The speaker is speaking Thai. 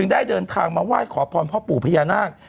ได้เดินทางมาไหว้ขอพรพ่อปู่พญานาค